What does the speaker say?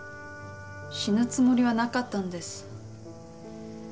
死ぬつもりはなかったんです。